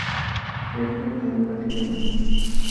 Se define como un partido autonomista.